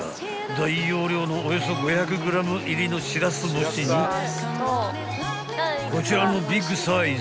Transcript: ［大容量のおよそ５００ｇ入りのしらす干しにこちらもビッグサイズ